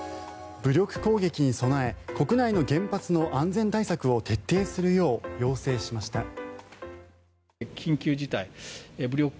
武力攻撃に備え国内の原発の安全対策を徹底するよう要請しました。